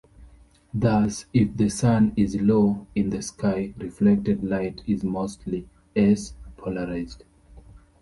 Thus, if the sun is low in the sky, reflected light is mostly "s"-polarized.